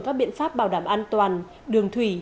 các biện pháp bảo đảm an toàn đường thủy